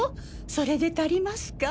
それで足りますか？